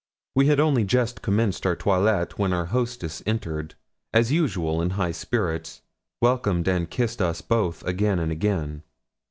We had only just commenced our toilet when our hostess entered, as usual in high spirits, welcomed and kissed us both again and again.